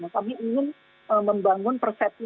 kami ingin membangun perseti